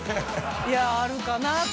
いやあるかなと思って。